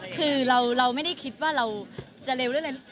คือเราไม่ได้คิดว่าเราจะเร็วหรืออะไร